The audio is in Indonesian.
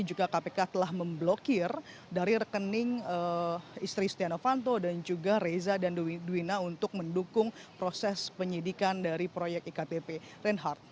juga kpk telah memblokir dari rekening istri stiano fanto dan juga reza dan duwina untuk mendukung proses penyidikan dari proyek iktp reinhardt